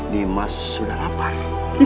dimas sudah lapar